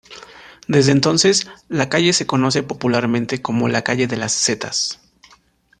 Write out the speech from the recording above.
Desde entonces, la calle se conoce popularmente como la calle de las Setas.